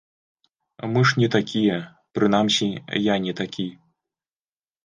Мы ж не такія, прынамсі, я не такі.